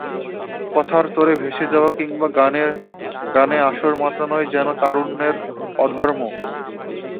কথার তোড়ে ভেসে যাওয়া কিংবা গানে গানে আসর মাতানোই যেন তারুণ্যের ধর্ম।